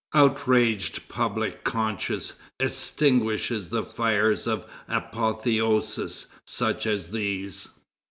Outraged public conscience extinguishes the fires of apotheoses such as these.